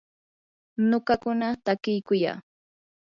nuqakuna takiykuyaa.